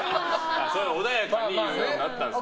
穏やかに言うようになったんですね。